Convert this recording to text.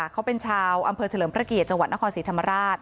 เขาเป็นชาวอำเภอเฉลิมพระเกียรติจังหวัดนครศรีธรรมราช